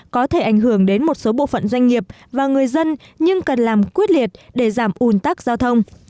có thể ảnh hưởng đến một số bộ phận doanh nghiệp và người dân nhưng cần làm quyết liệt để giảm ủn tắc giao thông